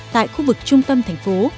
tại khu vực trung tâm thành phố